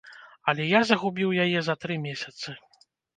Але я загубіў яе за тры месяцы.